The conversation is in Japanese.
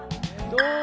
どう？